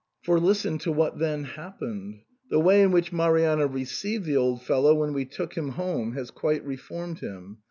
For listen to what then happened. The way in which Marianna received the old fellow when we took him home has quite reformed him.